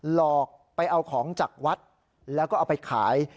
หลอกไปเอาของจากวัดแล้วก็เอาไปขาย